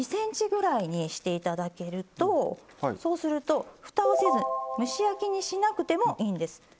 ２ｃｍぐらいにしていただけるとそうするとふたをせず蒸し焼きにしなくてもいいんです。